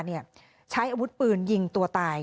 ใช้อาวุธปืนยิงตัวตาย